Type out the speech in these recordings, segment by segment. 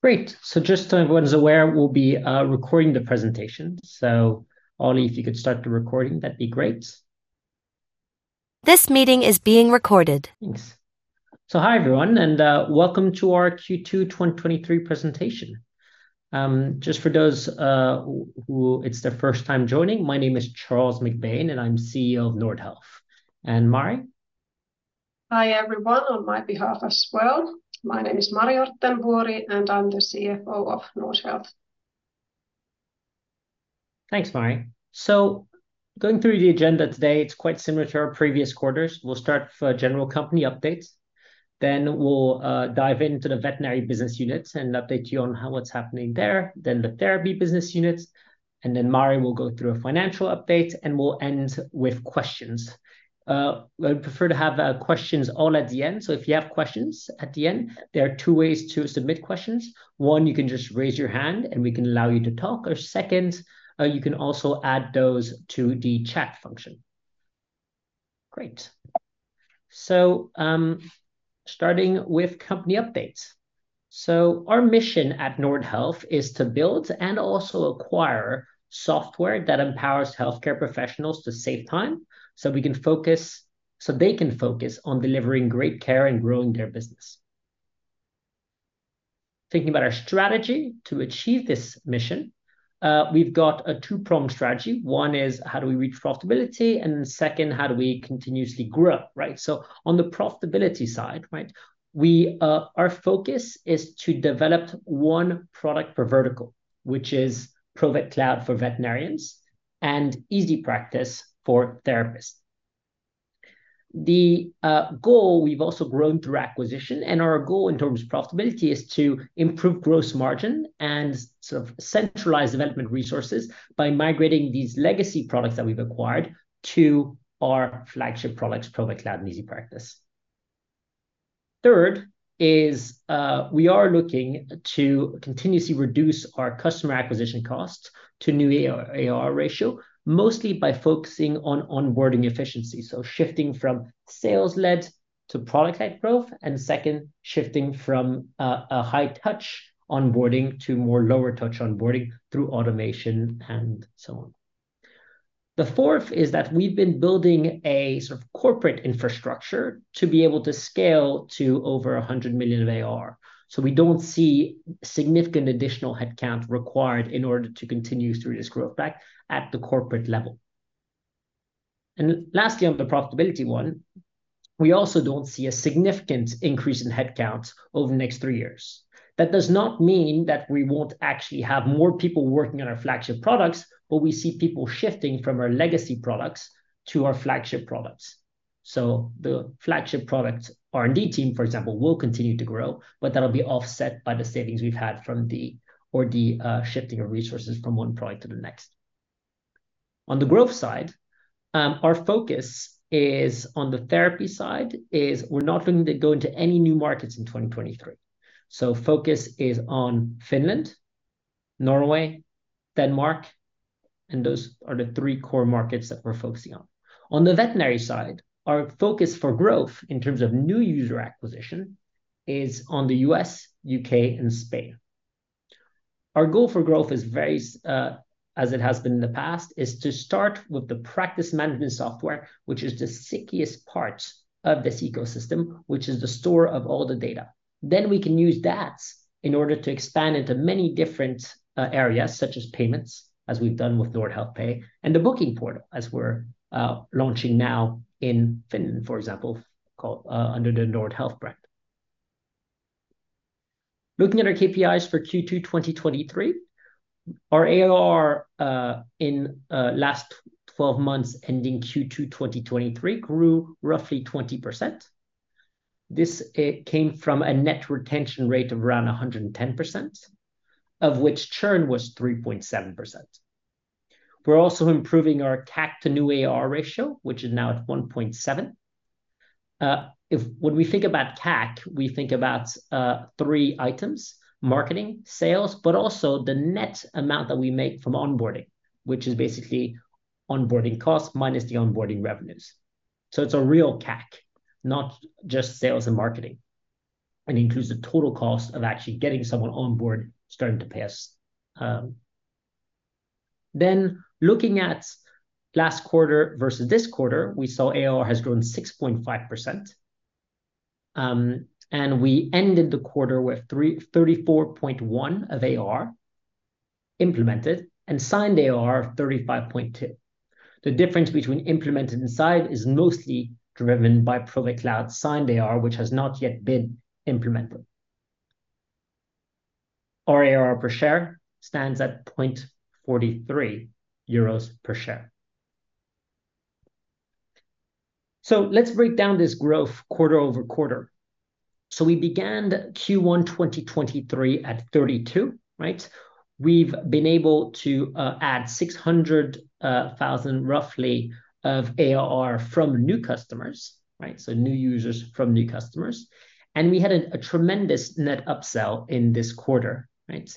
Great! Just so everyone's aware, we'll be recording the presentation. Oli, if you could start the recording, that'd be great. Thanks. Hi, everyone, and welcome to our Q2 2023 presentation. Just for those who it's their first time joining, my name is Charles MacBain, and I'm CEO of Nordhealth. Mari? Hi, everyone, on my behalf as well. My name is Mari Orttenvuori, and I'm the CFO of Nordhealth. Thanks, Mari. Going through the agenda today, it's quite similar to our previous quarters. We'll start with general company updates, then we'll dive into the veterinary business units and update you on what's happening there, then the therapy business units, and then Mari will go through a financial update, and we'll end with questions. I would prefer to have questions all at the end, so if you have questions at the end, there are two ways to submit questions. One, you can just raise your hand, and we can allow you to talk, or second, you can also add those to the chat function. Great. Starting with company updates. Our mission at Nordhealth is to build and also acquire software that empowers healthcare professionals to save time, so we can focus-- so they can focus on delivering great care and growing their business. Thinking about our strategy to achieve this mission, we've got a two-pronged strategy. One is, how do we reach profitability? Second, how do we continuously grow, right? On the profitability side, right, we, our focus is to develop one product per vertical, which is Provet Cloud for veterinarians and EasyPractice for therapists. The goal, we've also grown through acquisition, and our goal in terms of profitability is to improve gross margin and sort of centralize development resources by migrating these legacy products that we've acquired to our flagship products, Provet Cloud and EasyPractice. Third is, we are looking to continuously reduce our customer acquisition costs to new ARR, ARR ratio, mostly by focusing on onboarding efficiency. Shifting from sales-led to product-led growth, and second, shifting from a high-touch onboarding to more lower-touch onboarding through automation and so on. The fourth is that we've been building a sort of corporate infrastructure to be able to scale to over 100 million of ARR. We don't see significant additional headcount required in order to continue through this growth back at the corporate level. Lastly, on the profitability one, we also don't see a significant increase in headcount over the next three years. That does not mean that we won't actually have more people working on our flagship products, but we see people shifting from our legacy products to our flagship products. The flagship product R&D team, for example, will continue to grow, but that'll be offset by the savings we've had from the... or the shifting of resources from one product to the next. On the growth side, our focus is, on the therapy side, is we're not going to go into any new markets in 2023. Focus is on Finland, Norway, Denmark, and those are the three core markets that we're focusing on. On the veterinary side, our focus for growth in terms of new user acquisition is on the U.S., U.K., and Spain. Our goal for growth is very, as it has been in the past, is to start with the practice management software, which is the stickiest part of this ecosystem, which is the store of all the data. We can use that in order to expand into many different areas, such as payments, as we've done with Nordhealth Pay, and the booking portal, as we're launching now in Finland, for example, called under the Nordhealth brand. Looking at our KPIs for Q2 2023, our AR in last 12 months, ending Q2 2023, grew roughly 20%. This came from a net retention rate of around 110%, of which churn was 3.7%. We're also improving our CAC to new AR ratio, which is now at 1.7. If when we think about CAC, we think about three items: marketing, sales, but also the net amount that we make from onboarding, which is basically onboarding cost minus the onboarding revenues. It's a real CAC, not just sales and marketing, and includes the total cost of actually getting someone on board starting to pay us. Looking at last quarter versus this quarter, we saw AR has grown 6.5%, and we ended the quarter with 34.1 of AR implemented and signed AR of 35.2. The difference between implemented and signed is mostly driven by Provet Cloud signed AR, which has not yet been implemented. Our AR per share stands at 0.43 euros per share. Let's break down this growth quarter-over-quarter. We began Q1 2023 at 32, right? We've been able to add 600,000, roughly, of AR from new customers, right? New users from new customers. We had a tremendous net upsell in this quarter, right?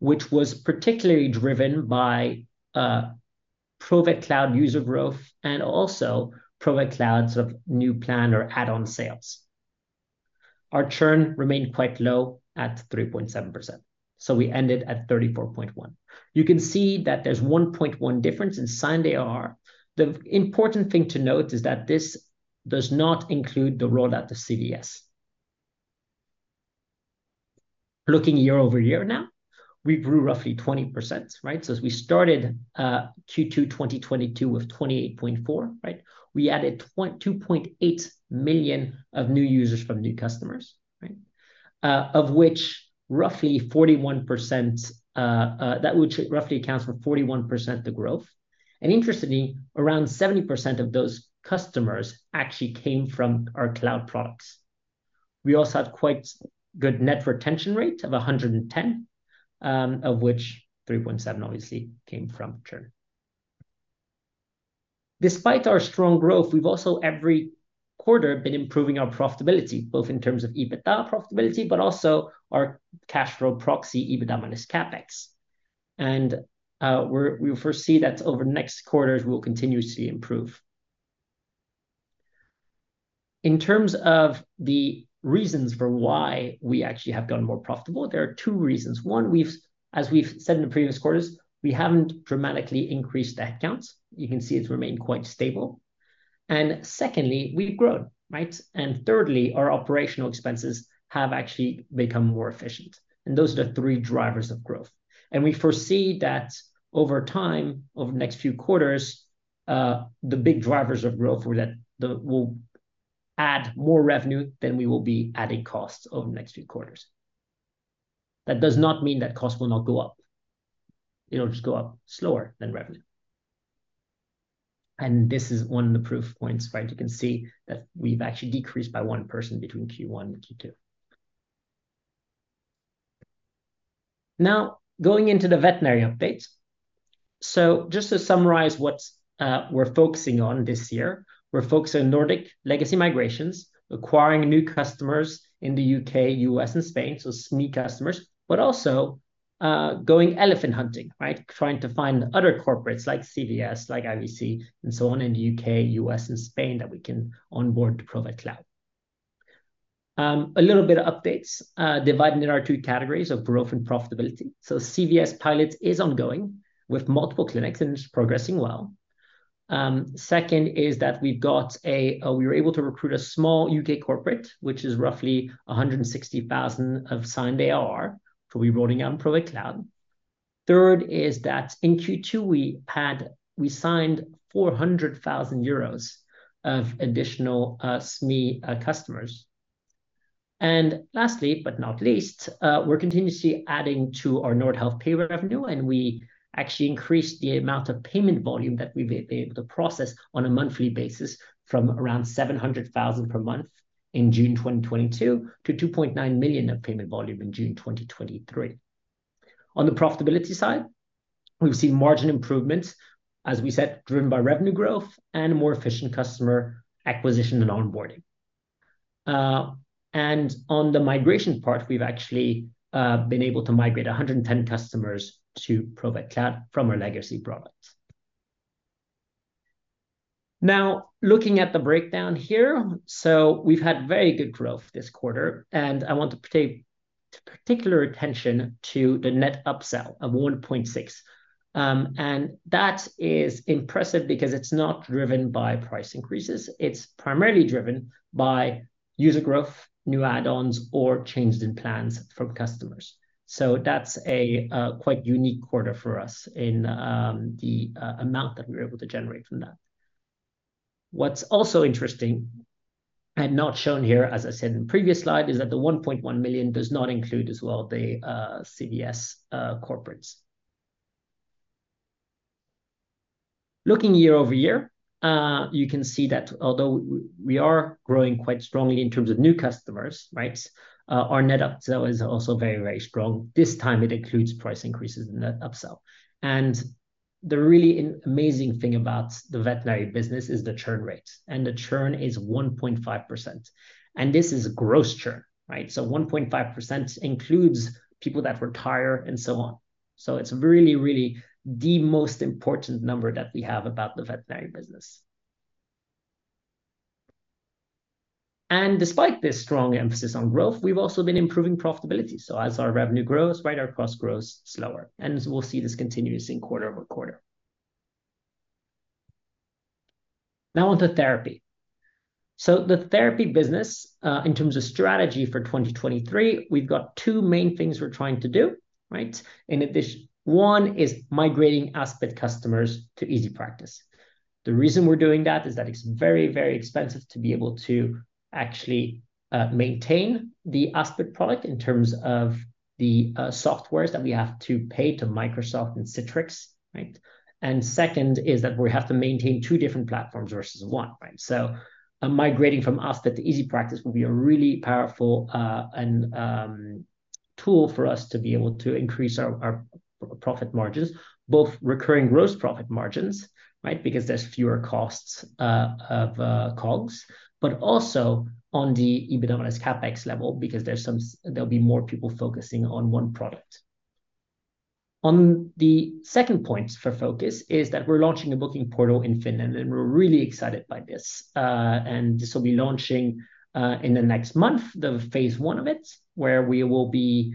Which was particularly driven by Provet Cloud user growth, and also Provet Cloud sort of new plan or add-on sales. Our churn remained quite low at 3.7%. We ended at 34.1 million. You can see that there's 1.1 million difference in signed ARR. The important thing to note is that this does not include the roll out to CVS. Looking year-over-year now, we grew roughly 20%, right? As we started Q2 2022 with 28.4 million, we added 2.8 million of new users from new customers, right? Of which roughly 41%, that which roughly accounts for 41% the growth. Interestingly, around 70% of those customers actually came from our cloud products. We also had quite good net retention rate of 110, of which 3.7 obviously came from churn. Despite our strong growth, we've also every quarter been improving our profitability, both in terms of EBITDA profitability, but also our cash flow proxy, EBITDA minus CapEx. We foresee that over the next quarters, we'll continue to see improve. In terms of the reasons for why we actually have gotten more profitable, there are two reasons. One, as we've said in the previous quarters, we haven't dramatically increased head counts. You can see it's remained quite stable. Secondly, we've grown, right? Thirdly, our operational expenses have actually become more efficient, and those are the three drivers of growth. We foresee that over time, over the next few quarters, the big drivers of growth were that we'll add more revenue than we will be adding costs over the next few quarters. That does not mean that costs will not go up. It'll just go up slower than revenue. This is one of the proof points, right? You can see that we've actually decreased by one person between Q1 and Q2. Now, going into the veterinary updates. Just to summarize what we're focusing on this year, we're focusing on Nordic legacy migrations, acquiring new customers in the U.K., U.S., and Spain, so SME customers, but also going elephant hunting, right? Trying to find other corporates like CVS, like IVC, and so on in the U.K., U.S., and Spain, that we can onboard to Provet Cloud. A little bit of updates, divided into our two categories of growth and profitability. CVS pilot is ongoing with multiple clinics, and it's progressing well. Second is that we've got a, we were able to recruit a small U.K. corporate, which is roughly 160,000 of signed ARR, who'll be rolling out on Provet Cloud. Third is that in Q2, we had-- we signed 400,000 euros of additional, SME, customers. Lastly, but not least, we're continuously adding to our Nordhealth Pay revenue, and we actually increased the amount of payment volume that we've been able to process on a monthly basis from around 700,000 per month in June 2022, to 2.9 million of payment volume in June 2023. On the profitability side, we've seen margin improvements, as we said, driven by revenue growth and a more efficient customer acquisition and onboarding. On the migration part, we've actually been able to migrate 110 customers to Provet Cloud from our legacy products. Looking at the breakdown here, we've had very good growth this quarter, and I want to pay particular attention to the net upsell of 1.6. That is impressive because it's not driven by price increases, it's primarily driven by user growth, new add-ons, or changes in plans from customers. That's a quite unique quarter for us in the amount that we were able to generate from that. What's also interesting, and not shown here, as I said in the previous slide, is that the 1.1 million does not include, as well, the, CVS, corporates. Looking year-over-year, you can see that although w-we are growing quite strongly in terms of new customers, right, our net upsell is also very, very strong. This time, it includes price increases in net upsell. The really in- amazing thing about the veterinary business is the churn rate, and the churn is 1.5%. This is gross churn, right? 1.5% includes people that retire and so on. It's really, really the most important number that we have about the veterinary business. Despite this strong emphasis on growth, we've also been improving profitability. As our revenue grows, right, our cost grows slower, and we'll see this continuing quarter-over-quarter. Now on to therapy. The therapy business, in terms of strategy for 2023, we've got two main things we're trying to do, right? This one is migrating Aspit customers to EasyPractice. The reason we're doing that is that it's very, very expensive to be able to actually maintain the Aspit product in terms of the softwares that we have to pay to Microsoft and Citrix, right? Second is that we have to maintain two different platforms versus one, right? Migrating from Aspit to EasyPractice will be a really powerful and tool for us to be able to increase our profit margins, both recurring gross profit margins, right? Because there's fewer costs of, but also on the EBITDA minus CapEx level, because there'll be more people focusing on one product. The second point for focus is that we're launching a booking portal in Finland. We're really excited by this. This will be launching in the next month, the phase one of it, where we will be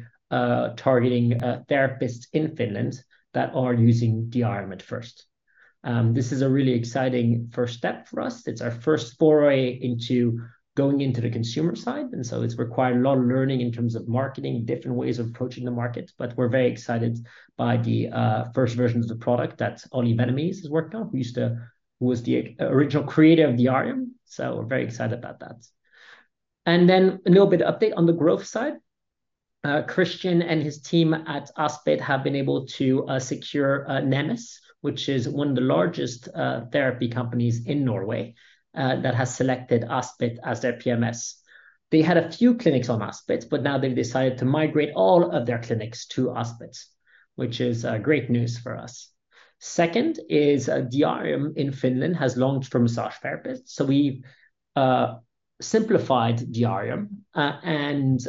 targeting therapists in Finland that are using the Diarium at first. This is a really exciting first step for us. It's our first foray into going into the consumer side. It's required a lot of learning in terms of marketing, different ways of approaching the market, but we're very excited by the first version of the product that Olli Vennemies has worked on, who was the original creator of the Diarium. We're very excited about that. Then a little bit of update on the growth side. Christian and his team at Aspit have been able to secure Nemus, which is one of the largest therapy companies in Norway, that has selected Aspit as their PMS. They had a few clinics on Aspit, but now they've decided to migrate all of their clinics to Aspit, which is great news for us. Second is, Diarium in Finland has launched for massage therapists. We simplified Diarium and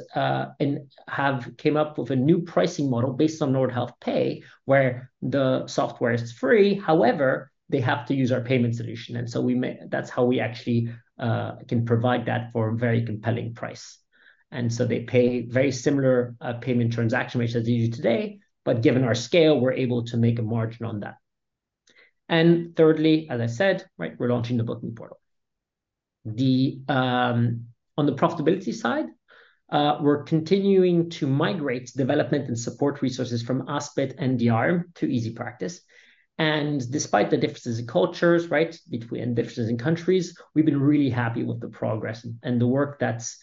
have came up with a new pricing model based on Nordhealth Pay, where the software is free. However, they have to use our payment solution, and so we may-- that's how we actually can provide that for a very compelling price. They pay very similar payment transaction rates as they do today, but given our scale, we're able to make a margin on that. Thirdly, as I said, right, we're launching the booking portal. On the profitability side, we're continuing to migrate development and support resources from Aspit and Diarium to EasyPractice. Despite the differences in cultures, right, between differences in countries, we've been really happy with the progress and the work that's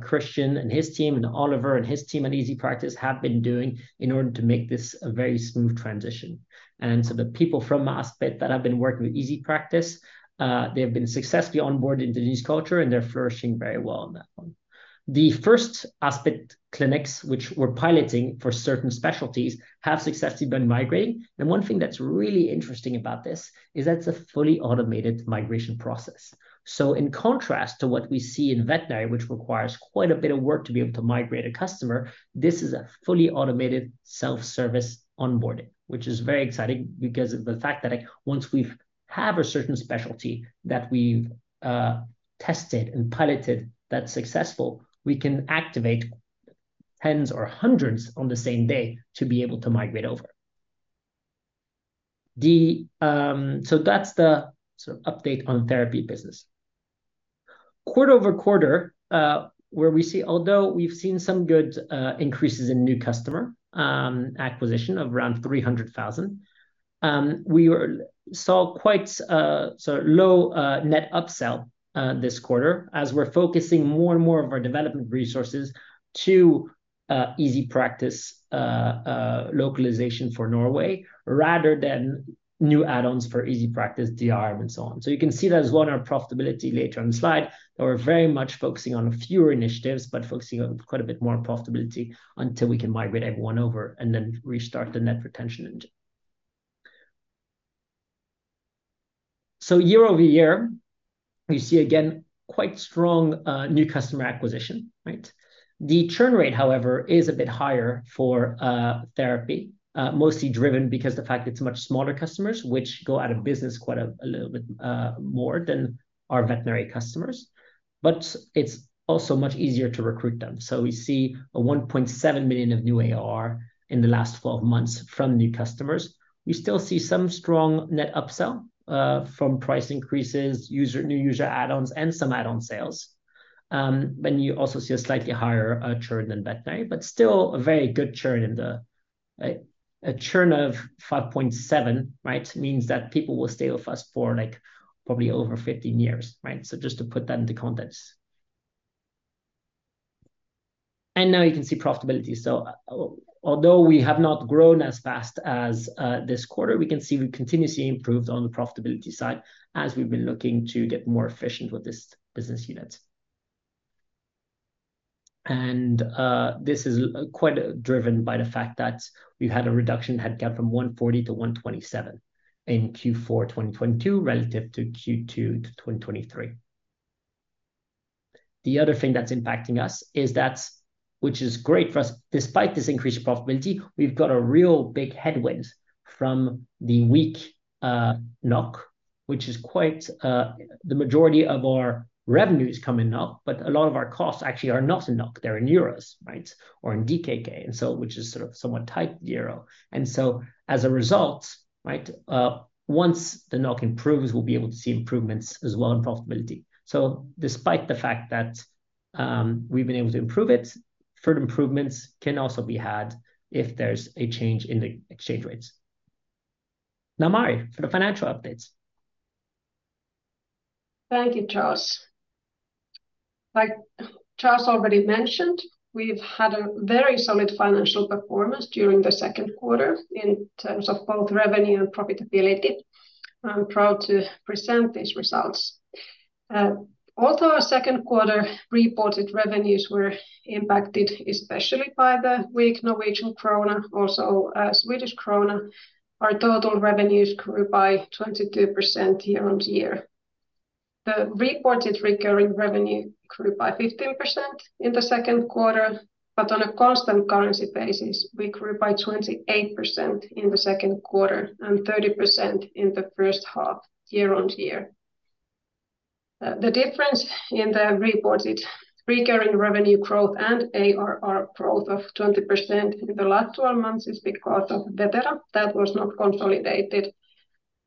Christian and his team, and Oliver and his team at EasyPractice have been doing in order to make this a very smooth transition. The people from Aspit that have been working with EasyPractice, they have been successfully onboarded into this culture, and they're flourishing very well on that one. The first Aspit clinics, which we're piloting for certain specialties, have successfully been migrating. One thing that's really interesting about this is that it's a fully automated migration process. In contrast to what we see in veterinary, which requires quite a bit of work to be able to migrate a customer, this is a fully automated self-service onboarding, which is very exciting because of the fact that, like, once we've have a certain specialty that we've tested and piloted that's successful, we can activate tens or hundreds on the same day to be able to migrate over. That's the sort of update on therapy business. Quarter-over-quarter, where we see, although we've seen some good increases in new customer acquisition of around 300,000, we saw quite sort of low net upsell this quarter as we're focusing more and more of our development resources to EasyPractice localization for Norway, rather than new add-ons for EasyPractice, Diarium, and so on. You can see that as well in our profitability later on the slide, that we're very much focusing on fewer initiatives, but focusing on quite a bit more profitability until we can migrate everyone over and then restart the net retention engine. Year-over-year, you see again, quite strong new customer acquisition, right? The churn rate, however, is a bit higher for therapy, mostly driven because the fact it's much smaller customers, which go out of business quite a little bit more than our veterinary customers, but it's also much easier to recruit them. We see 1.7 million of new ARR in the last 12 months from new customers. We still see some strong net upsell from price increases, new user add-ons, and some add-on sales. You also see a slightly higher churn than veterinary, but still a very good churn in the, a churn of 5.7, right, means that people will stay with us for, like, probably over 15 years, right? Just to put that into context. Now you can see profitability. Although we have not grown as fast as this quarter, we can see we continuously improved on the profitability side as we've been looking to get more efficient with this business unit. This is quite driven by the fact that we've had a reduction in headcount from 140-127 in Q4 2022, relative to Q2 2023. The other thing that's impacting us is that, which is great for us, despite this increase in profitability, we've got a real big headwind from the weak NOK, which is quite, the majority of our revenues come in NOK, but a lot of our costs actually are not in NOK, they're in Euros, right, or in DKK, which is sort of somewhat tight Euro. As a result, right, once the NOK improves, we'll be able to see improvements as well in profitability. Despite the fact that we've been able to improve it, further improvements can also be had if there's a change in the exchange rates. Mari, for the financial updates. Thank you, Charles. Like Charles already mentioned, we've had a very solid financial performance during the second quarter in terms of both revenue and profitability. I'm proud to present these results. Although our second quarter reported revenues were impacted, especially by the weak Norwegian krone, also Swedish krona, our total revenues grew by 22% year-over-year. The reported recurring revenue grew by 15% in the second quarter. On a constant currency basis, we grew by 28% in the second quarter and 30% in the first half, year-over-year. The difference in the reported recurring revenue growth and ARR growth of 20% in the last 12 months is because of Vetera. That was not consolidated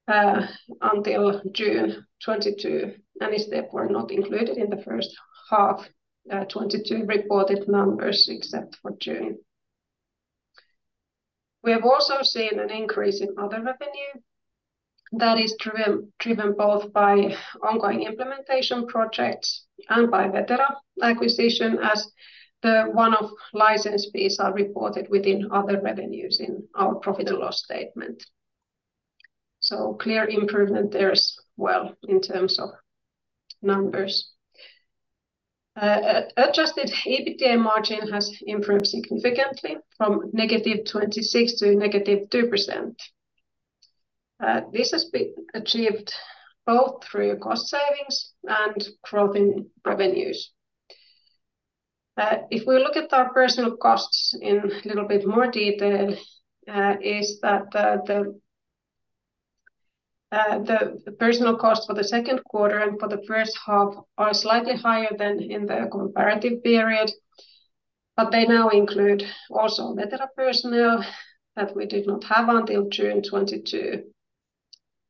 until June 2022, and is therefore not included in the first half 2022 reported numbers, except for June. We have also seen an increase in other revenue that is driven, driven both by ongoing implementation projects and by Vetera acquisition, as the one-off license fees are reported within other revenues in our profit and loss statement. Clear improvement there as well, in terms of numbers. Adjusted EBITDA margin has improved significantly from -26% to -2%. This has been achieved both through cost savings and growth in revenues. If we look at our personal costs in a little bit more detail, is that the, the, the personal costs for the second quarter and for the first half are slightly higher than in the comparative period, but they now include also Vetera personnel that we did not have until June 2022.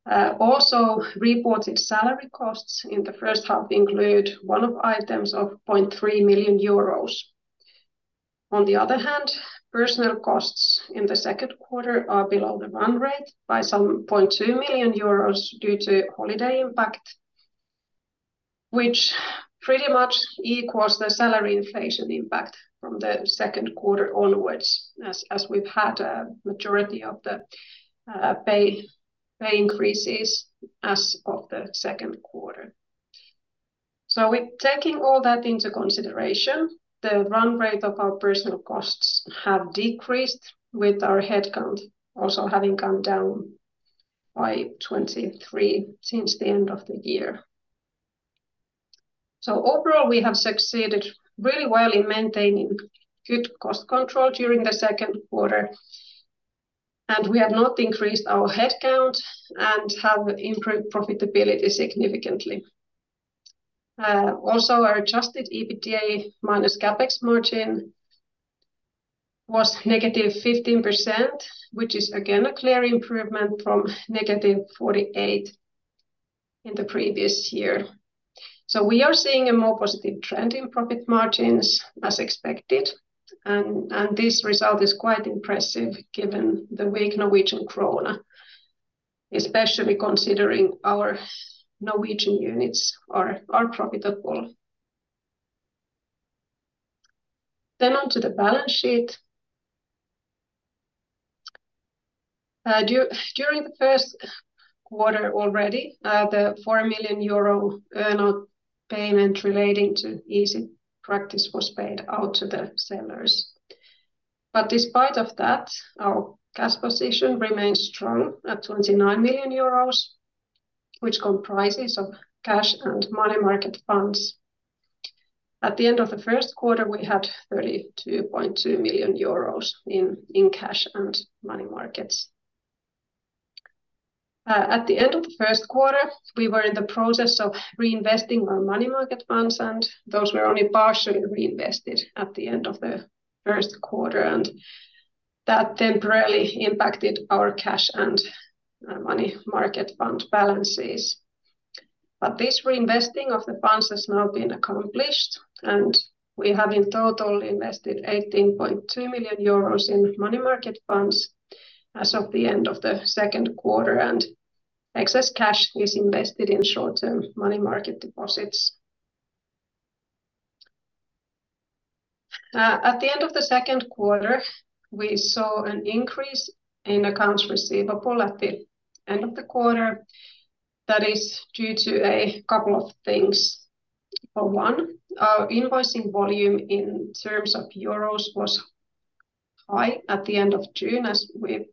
Also, reported salary costs in the first half include one-off items of 0.3 million euros. On the other hand, personnel costs in the second quarter are below the run rate by some 0.2 million euros due to holiday impact, which pretty much equals the salary inflation impact from the second quarter onwards, as, as we've had a majority of the pay, pay increases as of the second quarter. With taking all that into consideration, the run rate of our personal costs have decreased, with our headcount also having come down by 23 since the end of the year. Overall, we have succeeded really well in maintaining good cost control during the second quarter, and we have not increased our headcount and have improved profitability significantly. Also, our adjusted EBITDA minus CapEx margin was -15%, which is again, a clear improvement from -48% in the previous year. We are seeing a more positive trend in profit margins, as expected, and this result is quite impressive given the weak Norwegian kroner, especially considering our Norwegian units are profitable. During the first quarter already, the 4 million euro earn-out payment relating to EasyPractice was paid out to the sellers. Despite of that, our cash position remains strong at 29 million euros, which comprises of cash and money market funds. At the end of the first quarter, we had 32.2 million euros in cash and money markets. At the end of the first quarter, we were in the process of reinvesting our money market funds, and those were only partially reinvested at the end of the first quarter, and that temporarily impacted our cash and money market fund balances. This reinvesting of the funds has now been accomplished. We have in total invested 18.2 million euros in money market funds as of the end of the second quarter. Excess cash is invested in short-term money market deposits. At the end of the second quarter, we saw an increase in accounts receivable at the end of the quarter. That is due to a couple of things. For one, our invoicing volume in terms of Euros was high at the end of June, as we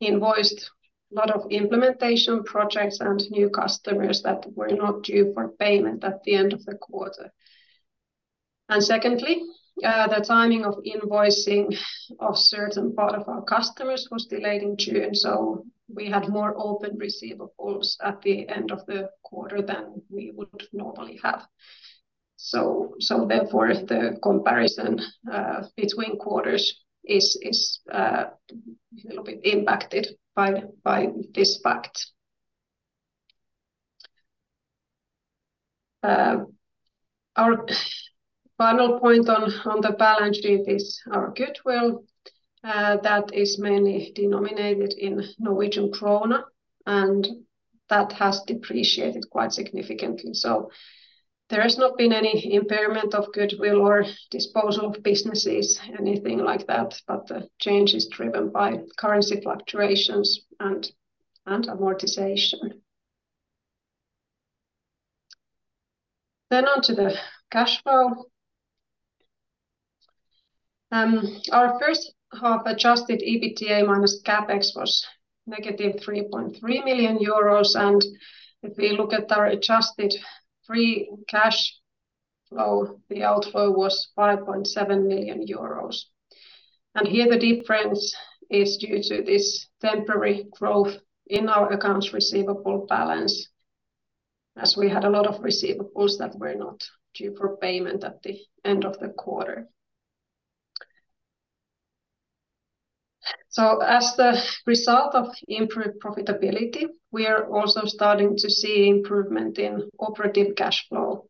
invoiced a lot of implementation projects and new customers that were not due for payment at the end of the quarter. Secondly, the timing of invoicing of certain part of our customers was delayed in June, so we had more open receivables at the end of the quarter than we would normally have. Therefore, the comparison between quarters is, is a little bit impacted by, by this fact. Our final point on the balance sheet is our goodwill, that is mainly denominated in Norwegian kroner, and that has depreciated quite significantly. There has not been any impairment of goodwill or disposal of businesses, anything like that, but the change is driven by currency fluctuations and, and amortization. Onto the cash flow. Our first half adjusted EBITDA minus CapEx was negative 3.3 million euros. If we look at our adjusted free cash flow, the outflow was 5.7 million euros. Here the difference is due to this temporary growth in our accounts receivable balance, as we had a lot of receivables that were not due for payment at the end of the quarter. As the result of improved profitability, we are also starting to see improvement in operative cash flow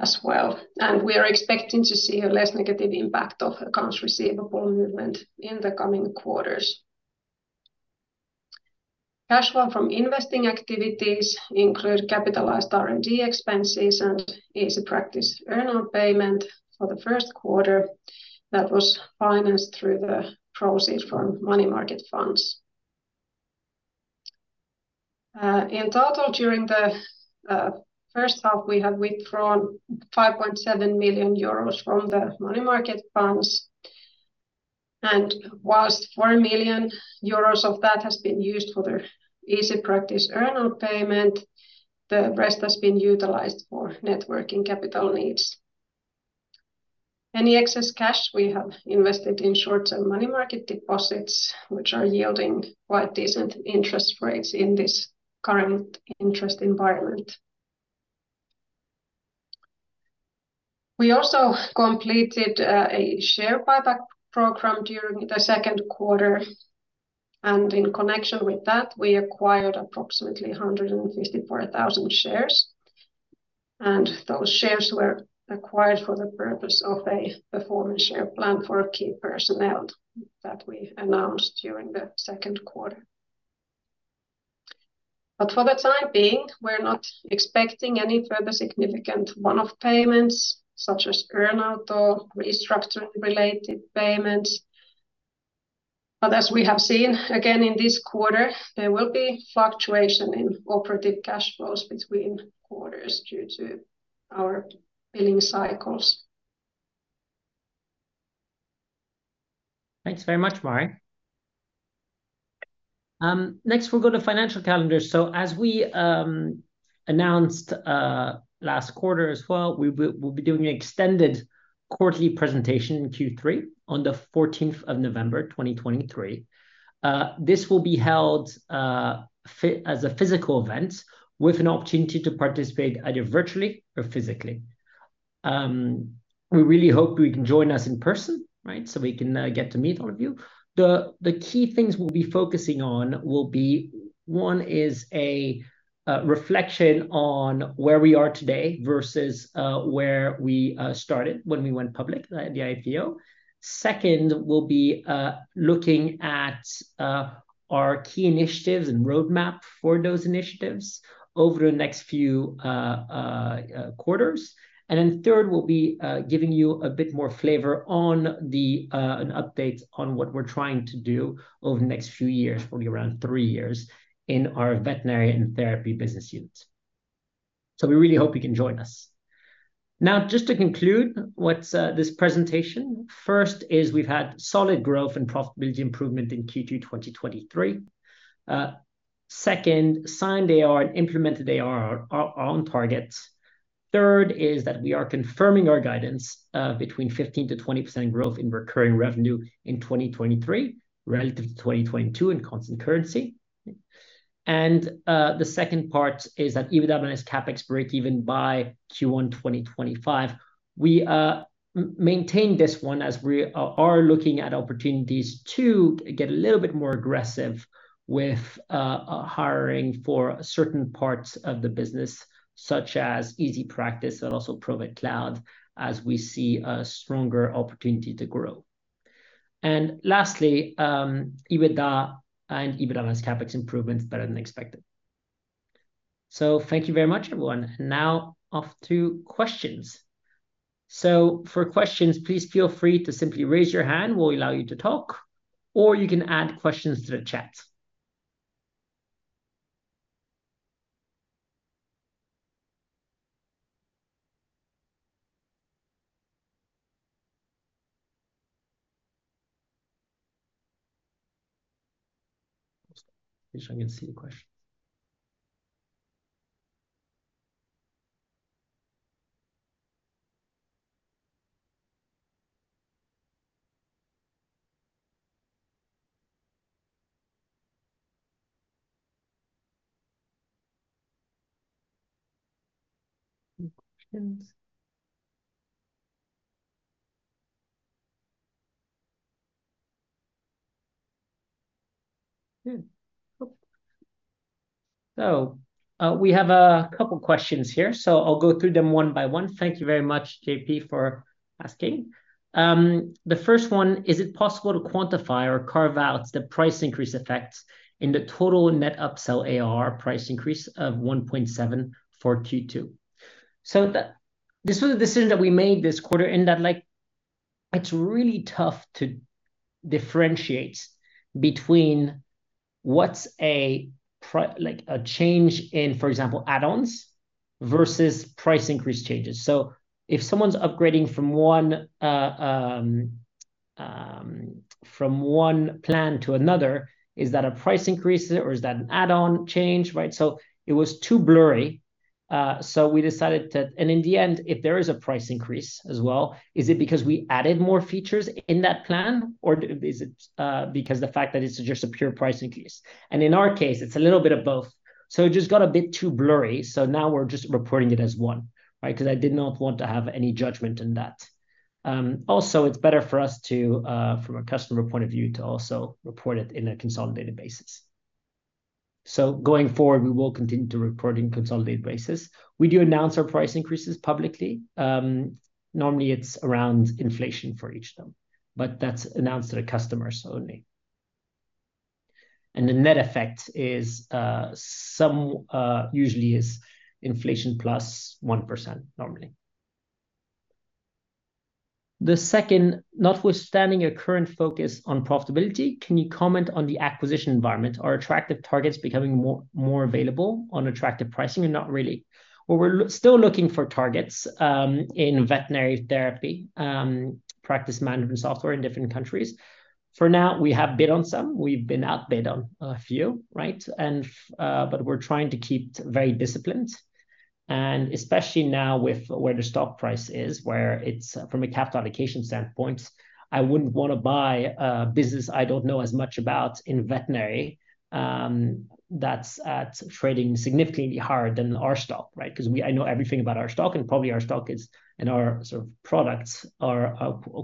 as well, and we are expecting to see a less negative impact of accounts receivable movement in the coming quarters. Cash flow from investing activities include capitalized R&D expenses and EasyPractice earn out payment for the first quarter that was financed through the proceeds from money market funds. In total, during the first half, we have withdrawn 5.7 million euros from the money market funds, and whilst 4 million euros of that has been used for the EasyPractice earn out payment, the rest has been utilized for networking capital needs. Any excess cash we have invested in short-term money market deposits, which are yielding quite decent interest rates in this current interest environment. We also completed a share buyback program during the second quarter, in connection with that, we acquired approximately 154,000 shares, and those shares were acquired for the purpose of a performance share plan for key personnel that we announced during the second quarter. For the time being, we're not expecting any further significant one-off payments, such as earn out or restructure-related payments. As we have seen, again in this quarter, there will be fluctuation in operative cash flows between quarters due to our billing cycles. Thanks very much, Mari. Next, we'll go to financial calendar. As we announced last quarter as well, we'll be doing an extended quarterly presentation in Q3 on the 14th of November, 2023. This will be held as a physical event with an opportunity to participate either virtually or physically. We really hope you can join us in person, right? So we can get to meet all of you. The key things we'll be focusing on will be, one, is a reflection on where we are today versus where we started when we went public, the IPO. Second, we'll be looking at our key initiatives and roadmap for those initiatives over the next few quarters. Third, we'll be giving you a bit more flavor on an update on what we're trying to do over the next few years, probably around three years, in our veterinary and therapy business units. We really hope you can join us. Just to conclude, what's this presentation? First is we've had solid growth and profitability improvement in Q2 2023. Second, signed AR and implemented AR are on target. Third is that we are confirming our guidance, between 15%-20% growth in recurring revenue in 2023, relative to 2022 in constant currency. The second part is that EBITDA and CapEx break even by Q1 2025. We m-maintain this one as we are, are looking at opportunities to get a little bit more aggressive with hiring for certain parts of the business, such as EasyPractice and also Provet Cloud, as we see a stronger opportunity to grow. Lastly, EBITDA and EBITDA and CapEx improvements better than expected. Thank you very much, everyone. Now, off to questions. For questions, please feel free to simply raise your hand, we'll allow you to talk, or you can add questions to the chat. Make sure I can see the questions. Any questions? Good. We have a couple questions here, so I'll go through them one by one. Thank you very much, JP, for asking. The first one, is it possible to quantify or carve out the price increase effects in the total net upsell AR price increase of 1.7 for Q2? This was a decision that we made this quarter, in that, like, it's really tough to differentiate between what's a price like a change in, for example, add-ons versus price increase changes? If someone's upgrading from one plan to another, is that a price increase, or is that an add-on change, right? It was too blurry, so we decided to. And in the end, if there is a price increase as well, is it because we added more features in that plan, or is it because the fact that it's just a pure price increase? In our case, it's a little bit of both. It just got a bit too blurry. Now we're just reporting it as one, right? 'Cause I did not want to have any judgment in that. Also, it's better for us to, from a customer point of view, to also report it in a consolidated basis. Going forward, we will continue to report in consolidated basis. We do announce our price increases publicly. Normally, it's around inflation for each of them, but that's announced to the customers only. The net effect is, some, usually is inflation plus 1%, normally. The second, notwithstanding a current focus on profitability, can you comment on the acquisition environment? Are attractive targets becoming more, more available on attractive pricing or not really? Well, we're still looking for targets in veterinary therapy, practice management software in different countries. For now, we have bid on some. We've been outbid on a few, right? But we're trying to keep very disciplined, and especially now with where the stock price is, where it's from a capital allocation standpoint, I wouldn't wanna buy a business I don't know as much about in veterinary, that's trading significantly higher than our stock, right? 'Cause I know everything about our stock, and probably our stock is, and our sort of products are,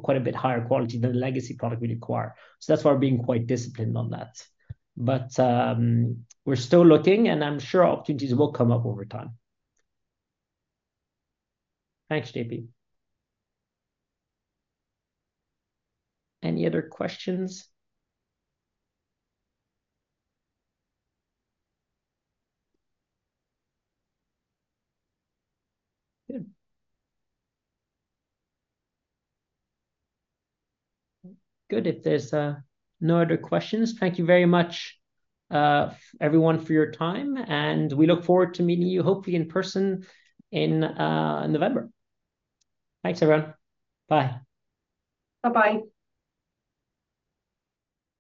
quite a bit higher quality than the legacy product we acquire. That's why we're being quite disciplined on that. We're still looking, and I'm sure opportunities will come up over time. Thanks, JP. Any other questions? Good. Good, if there's no other questions, thank you very much, everyone, for your time, and we look forward to meeting you, hopefully in person, in November. Thanks, everyone. Bye. Bye-bye.